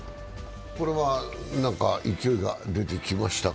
これは何か勢いが出てきましたか？